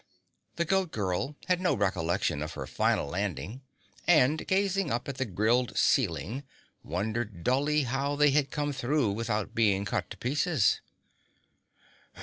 The Goat Girl had no recollection of her final landing and gazing up at the grilled ceiling wondered dully how they had come through without being cut to pieces.